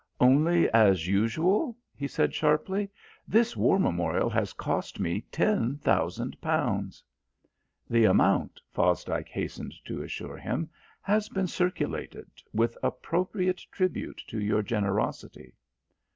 "Only as usual?" he said sharply. "This War Memorial has cost me ten thousand pounds." "The amount," Fosdike hastened to assure him, "has been circulated, with appropriate tribute to your generosity."